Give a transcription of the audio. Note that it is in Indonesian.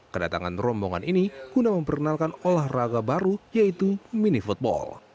kedatangan rombongan ini guna memperkenalkan olahraga baru yaitu mini football